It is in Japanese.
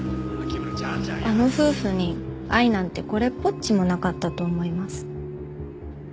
あの夫婦に愛なんてこれっぽっちもなかったと思います。